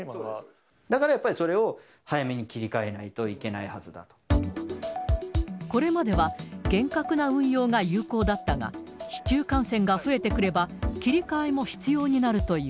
だからやっぱり、それを早めに切り替えないといけないはずだと。これまでは、厳格な運用が有効だったが、市中感染が増えてくれば、切り替えも必要になるという。